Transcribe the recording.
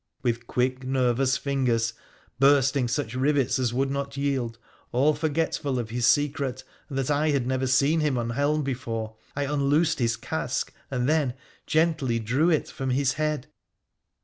With quick, nervous fingers — bursting such rivets as would not yield, all forgetful of his secret, and that I had never seen him unhelmed before — I unloosed his casque, and then gently drew it from his head.